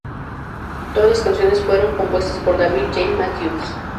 Todas las canciones fueron compuestas por David J. Matthews.